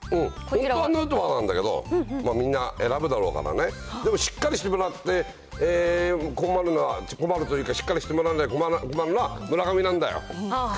本当はヌートバーなんだけど、みんな選ぶだろうからね、でもしっかりしてもらって困るというか、しっかりしてもらわないと困るのは村上なんだよ。